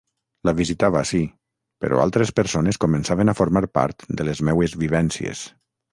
La visitava, sí, però altres persones començaven a formar part de les meues vivències.